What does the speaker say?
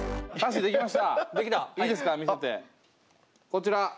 こちら。